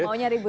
mau nyari budi